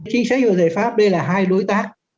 chính sách và giải pháp đây là hai đối tác